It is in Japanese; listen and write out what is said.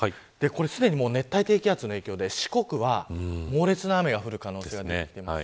すでに熱帯低気圧の影響で四国は猛烈な雨が降る可能性が出てきています。